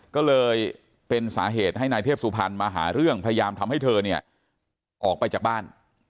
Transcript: ก็เลยเป็นสาเหตุให้นายเทพสุพรรณมาหาเรื่องพยายามทำให้เธอเนี่ยออกไปจากบ้าน